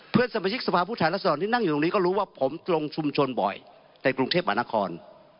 เพื่อนสมาชิกสภาพผู้แทนรัศดรที่นั่งอยู่ตรงนี้ก็รู้ว่าผมลงชุมชนบ่อยในกรุงเทพมหานคร